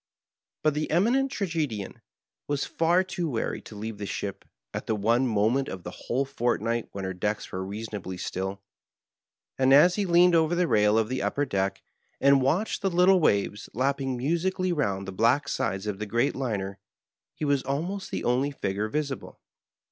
But the Eminent Tragedian was far too wary to leave the ship at the one moment of the whole fort night when her decks* were reasonably still, and as he leaned over the rail of the upper deck and watched the little waves lapping musically round the black sides of the great Liner, he was almost the only figure visible.